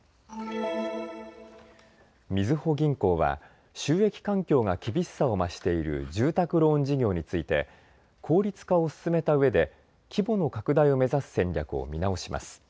みずほ銀行は収益環境が厳しさを増している住宅ローン事業について効率化を進めたうえで規模の拡大を目指す戦略を見直します。